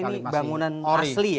jadi ini bangunan asli ya